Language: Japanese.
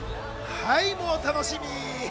はい、もう楽しみ！